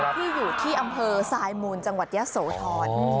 ที่อยู่ที่อำเภอทรายมูลจังหวัดยะโสธร